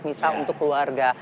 misa untuk keluarga